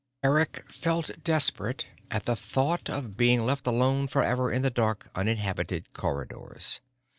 Eric felt desperate at the thought of being left alone forever in the dark, uninhabited corridors.